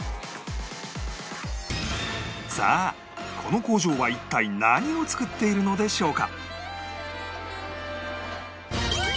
さあこの工場は一体何を作っているのでしょうか？